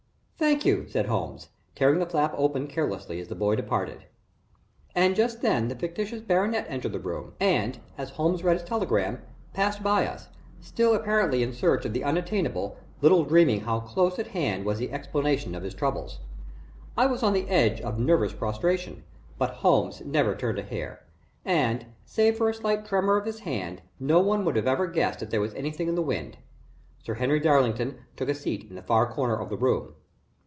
"Thank you," said Holmes, tearing the flap open carelessly as the boy departed. And just then the fictitious baronet entered the room, and, as Holmes read his telegram, passed by us, still apparently in search of the unattainable, little dreaming how close at hand was the explanation of his troubles. I was on the edge of nervous prostration, but Holmes never turned a hair, and, save for a slight tremor of his hand, no one would have even guessed that there was anything in the wind. Sir Henry Darlington took a seat in the far corner of the room.